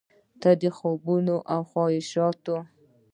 ته د خوبونو او خواهشاتو،